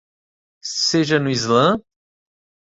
Seja no Islã?